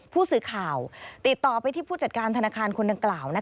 ผู้สื่อข่าวติดต่อไปที่ผู้จัดการธนาคารคนดังกล่าว